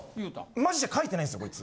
マジで書いてないんすよこいつ。